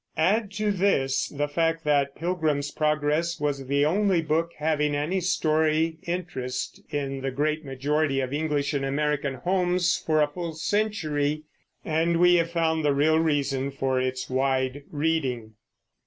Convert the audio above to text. Add to this the fact that Pilgrim's Progress was the only book having any story interest in the great majority of English and American homes for a full century, and we have found the real reason for its wide reading.